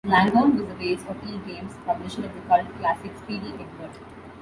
Langhorne was the base of eGames, the publisher of the cult classic Speedy Eggbert.